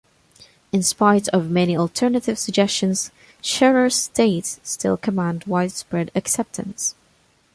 In spite of many alternative suggestions, Scherer's dates still command widespread acceptance.